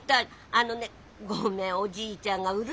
あのねごめんおじいちゃんがうるさいの横で。